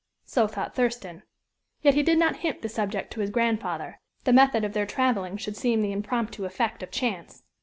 So thought Thurston. Yet he did not hint the subject to his grandfather the method of their traveling should seem the impromptu effect of chance.